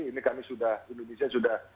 ini kami sudah indonesia sudah